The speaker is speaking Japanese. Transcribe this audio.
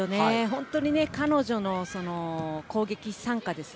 本当に彼女の攻撃参加